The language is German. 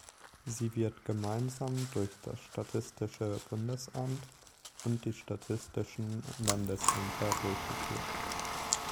Sie wird gemeinsam durch das Statistische Bundesamt und die Statistischen Landesämter durchgeführt.